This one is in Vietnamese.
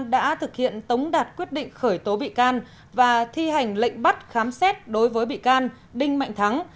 cơ quan cảnh sát điều tra bộ công an đã thực hiện tống đạt quyết định khởi tố bị can và thi hành lệnh bắt khám xét đối với bị can đinh mạnh thắng